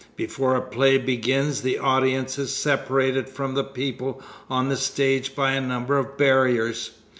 Before a play begins the audience is separated from the people on the stage by a number of barriers.